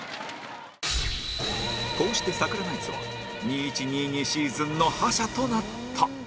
こうしてサクラナイツは ２１−２２ シーズンの覇者となった